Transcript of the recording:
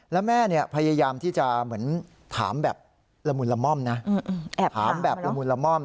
แล้วแม่พยายามที่จะเหมือนถามแบบละมุนละม่อมนะแอบถามแบบละมุนละม่อม